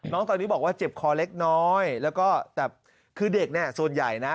น้องตอนนี้บอกว่าเจ็บคอเล็กน้อยแล้วก็แต่คือเด็กเนี่ยส่วนใหญ่นะ